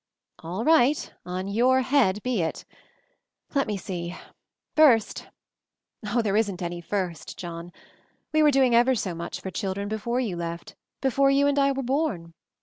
"All right. On your head be it. Let me see — first Oh, there isn't any first, John! We were doing ever so much for children before you left — before you and I were born!